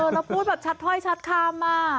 เราพูดแบบชัดพ่อยชัดข้ามมา